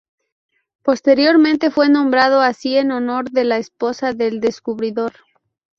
Posteriormente fue nombrado así en honor de la esposa del descubridor.